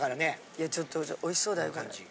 いやちょっとおいしそうだよこれ。